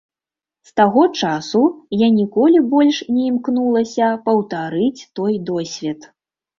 З таго часу я ніколі больш не імкнулася паўтарыць той досвед.